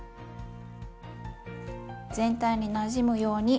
全体になじむように混ぜます。